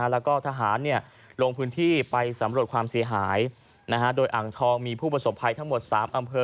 แล้วก็ทหารลงพื้นที่ไปสำรวจความเสียหายโดยอ่างทองมีผู้ประสบภัยทั้งหมด๓อำเภอ